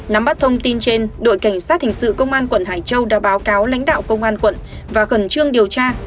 nắm bắt thông tin trên đội cảnh sát hình sự công an quận hải châu đã báo cáo lãnh đạo công an quận và khẩn trương điều tra